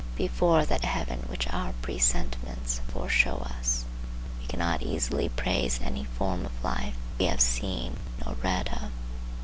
Before that heaven which our presentiments foreshow us, we cannot easily praise any form of life we have seen or read of.